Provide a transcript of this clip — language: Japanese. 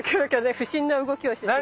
不審な動きをしてしまう。